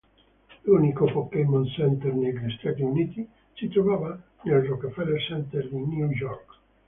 L'unico Pokémon Center negli Stati Uniti, si trovava nel Rockefeller Center di New York.